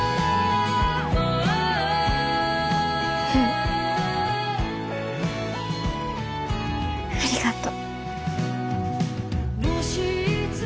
うんありがと